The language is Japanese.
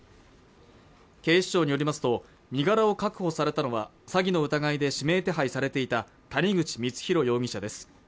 警視庁によりますと身柄を確保されたのは詐欺の疑いで指名手配されていた谷口光弘容疑者です